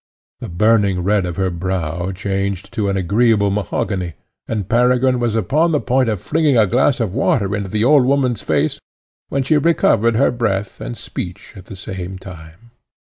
The burning red of her brow changed to an agreeable mahogany, and Peregrine was upon the point of flinging a glass of water into the old woman's face, when she recovered her breath and speech at the same time.